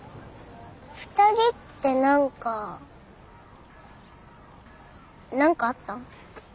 ２人って何か何かあった？